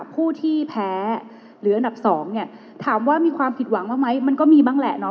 ผู้ที่แพ้เหลืออันดับสองเนี่ยถามว่ามีความผิดหวังบ้างไหมมันก็มีบ้างแหละเนาะ